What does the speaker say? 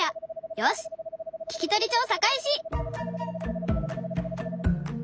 よし聞き取り調査開始！